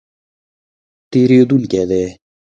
تېرېدونکی دی